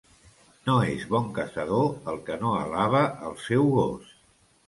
No és bon caçador el que no alaba el seu gos.